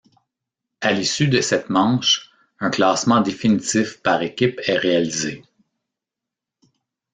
À l'issue de cette manche, un classement définitif par équipe est réalisé.